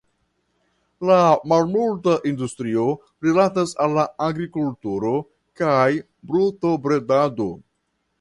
La malmulta industrio rilatas al la agrikulturo kaj brutobredado.